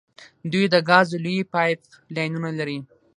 دوی د ګازو لویې پایپ لاینونه لري.